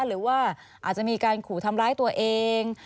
หรือว่าอาจจะมีการขู่ทำร้ายตัวเอง